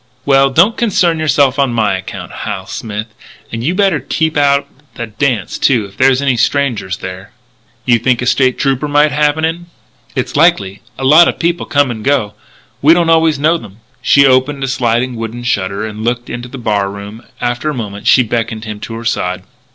"Well, don't concern yourself on my account, Hal Smith. And you'd better keep out of the dance, too, if there are any strangers there." "You think a State Trooper may happen in?" "It's likely. A lot of people come and go. We don't always know them." She opened a sliding wooden shutter and looked into the bar room. After a moment she beckoned him to her side.